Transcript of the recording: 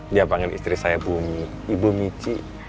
dia panggil istri saya bumi ibu mici